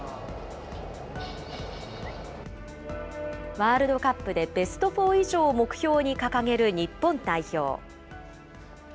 ワールドカップでベスト４以上を目標に掲げる日本代表。